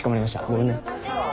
ごめんね。